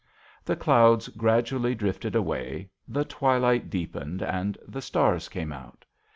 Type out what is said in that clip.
The clouds gradually drifted away, the twilight deepened and the stars came out.